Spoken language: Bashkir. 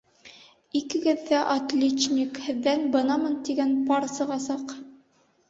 Икегеҙ ҙә отличник, һеҙҙән бынамын тигән пар сығасаҡ.